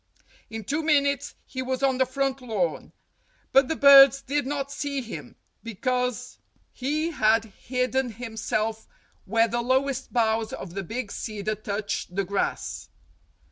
In two minutes he was on the front lawn; but the birds did not see him because 304 STORIES WITHOUT TEARS he had hidden himself where the lowest boughs of the big cedar touched the grass.